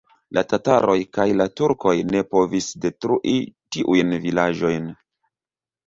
La tataroj kaj la turkoj ne povis detrui tiujn vilaĝojn.